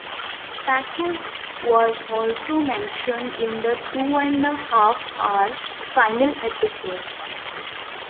Packo's was also mentioned in the two-and-a-half hour final episode.